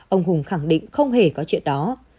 ông hùng khẳng định không hề có chuyện đó